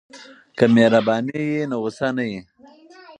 که مهرباني وي نو غوسه نه وي.